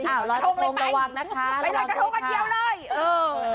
อ้าวเราจะตรงระหว่างนะคะไปกระทบกันเดียวเลย